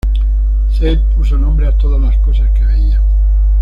Zedd puso nombre a toda las cosas que veían.